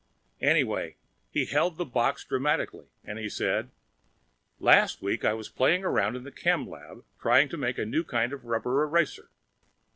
Anyway, he held the box dramatically and he said, "Last week, I was playing around in the chem lab, trying to make a new kind of rubber eraser.